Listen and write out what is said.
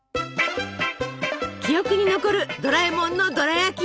記憶に残るドラえもんのドラやき愛！